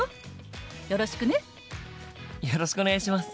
よろしくお願いします。